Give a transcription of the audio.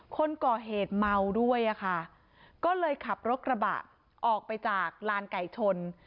คนก่อเหตุเมาด้วยอะค่ะก็เลยขับรถกระบะออกไปจากลานไก่ชน